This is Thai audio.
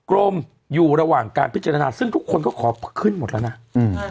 กรมอยู่ระหว่างการพิจารณาซึ่งทุกคนก็ขอขึ้นหมดแล้วนะอืม